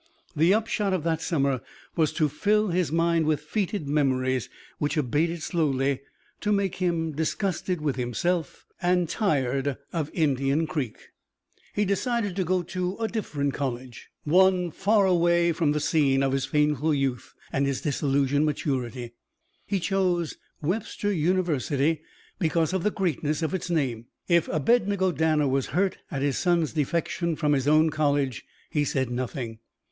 The upshot of that summer was to fill his mind with fetid memories, which abated slowly, to make him disgusted with himself and tired of Indian Creek. He decided to go to a different college, one far away from the scene of his painful youth and his disillusioned maturity. He chose Webster University because of the greatness of its name. If Abednego Danner was hurt at his son's defection from his own college, he said nothing.